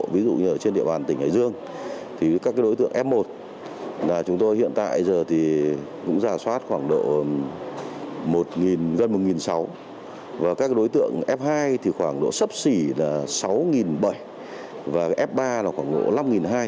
ví dụ như ở trên địa bàn tỉnh hải dương thì các đối tượng f một là chúng tôi hiện tại giờ thì cũng giả soát khoảng độ gần một sáu trăm linh và các đối tượng f hai thì khoảng độ sấp xỉ là sáu bảy trăm linh và f ba là khoảng độ năm hai trăm linh